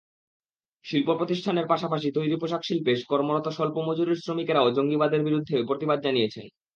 শিল্পপ্রতিষ্ঠানের পাশাপাশি তৈরি পোশাকশিল্পে কর্মরত স্বল্প মজুরির শ্রমিকেরাও জঙ্গিবাদের বিরুদ্ধে প্রতিবাদ জানিয়েছেন।